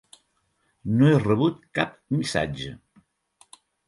No he rebut cap missatge.